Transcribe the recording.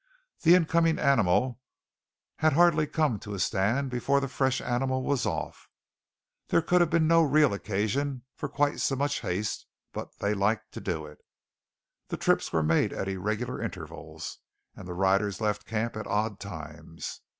The incoming animal had hardly come to a stand before the fresh animal was off. There could have been no real occasion for quite so much haste; but they liked to do it. The trips were made at irregular intervals; and the riders left camp at odd times.